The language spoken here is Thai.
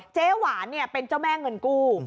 หวานเป็นเจ้าแม่เงินกู้